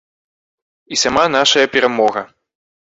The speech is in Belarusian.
І сама нашая перамога.